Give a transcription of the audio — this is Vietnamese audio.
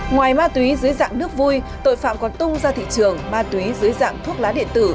ngoài ma túy dưới dạng nước vui tội phạm còn tung ra thị trường ma túy dưới dạng thuốc lá điện tử